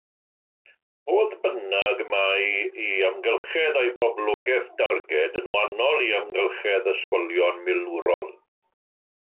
Fodd bynnag, mae eu hamgylchedd a'u poblogaeth darged yn wahanol i amgylchedd ysgolion milwrol.